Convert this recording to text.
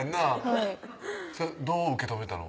はいどう受け止めたの？